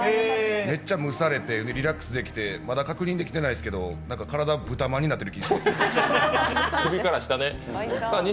めっちゃむされてリラックスできてまだ確認できてないですけど、体、豚まんになってる気がします。